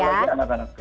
apalagi anak anak kecil